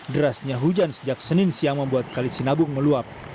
derasnya hujan sejak senin siang membuat kalisinabung meluap